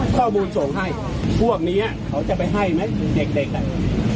ข้อบูรณ์ส่งให้พวกเนี้ยเขาจะไปให้ไหมเก็บดีเหรียด